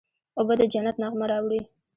اوبه د جنت نغمه راوړي.